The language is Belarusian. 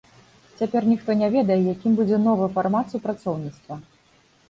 Цяпер ніхто не ведае, якім будзе новы фармат супрацоўніцтва.